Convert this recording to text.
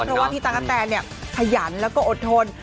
เพราะว่าพี่ตั๊กกะแตนเนี่ยขยันแล้วก็อดทน